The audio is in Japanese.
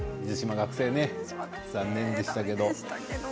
学生ね、残念でしたけれど。